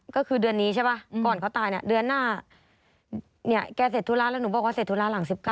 ก็คือเดือนนี้ใช่ป่ะก่อนเขาตายเนี่ยเดือนหน้าเนี่ยแกเสร็จธุระแล้วหนูบอกว่าเสร็จธุระหลัง๑๙